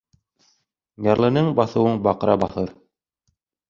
Ярлының баҫыуын баҡра баҫыр.